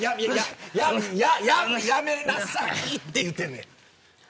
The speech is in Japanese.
やめなさいっていうてんねん。